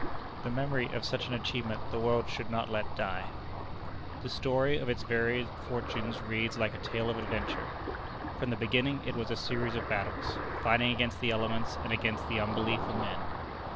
The memory of such an achievement the world should not let die. The story of its varied fortunes reads like a tale of adventure. From the beginning it was a series of battles, fighting against the elements and against the unbelief of men.